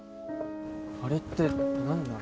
あれって何なの？